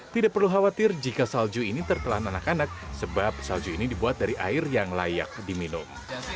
tidak perlu khawatir jika salju ini tertelan anak anak sebab salju ini dibuat dari air yang layak diminum